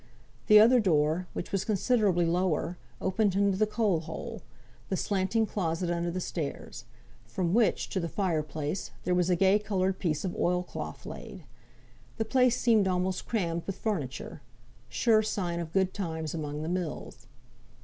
The other door, which was considerably lower, opened into the coal hole the slanting closet under the stairs; from which, to the fire place, there was a gay coloured piece of oil cloth laid. The place seemed almost crammed with furniture (sure sign of good times among the mills).